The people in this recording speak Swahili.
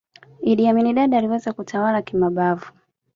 idd amin dada aliweza kutawala kimabavu